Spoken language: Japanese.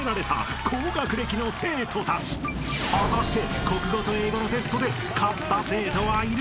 ［果たして］